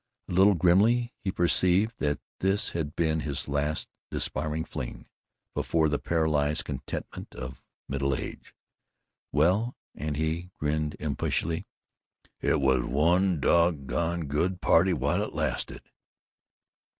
A little grimly he perceived that this had been his last despairing fling before the paralyzed contentment of middle age. Well, and he grinned impishly, "it was one doggone good party while it lasted!"